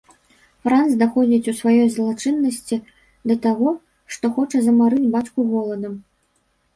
Франц даходзіць у сваёй злачыннасці да таго, што хоча замарыць бацьку голадам.